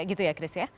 ya gitu ya chris ya